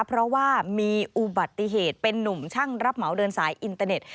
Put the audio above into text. เพราะว่ามีอุบัติเหตุเป็นนุ่มช่างรับเหมาเดินสายอินเตอร์เน็ต